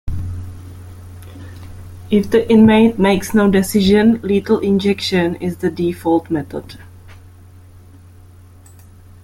If the inmate makes no decision, lethal injection is the default method.